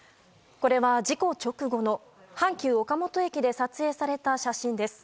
これは、事故直後の阪急岡本駅で撮影された写真です。